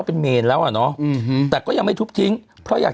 เป็นเมนแล้วอ่ะเนอะอืมแต่ก็ยังไม่ทุบทิ้งเพราะอยาก